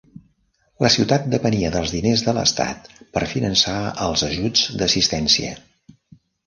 La ciutat depenia dels diners de l'estat per finançar els ajuts d'assistència.